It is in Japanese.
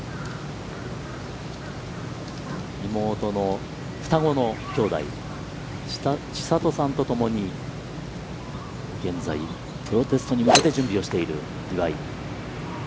妹の双子のきょうだい、ちさとさんとともに現在プロテストに向けて準備をしている、岩井。